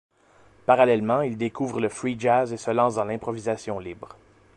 Parallèlement il découvre le free jazz et se lance dans l'improvisation libre.